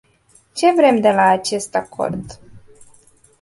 Ce vrem de la acest acord?